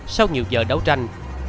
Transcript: sau nhiều giờ đấu tranh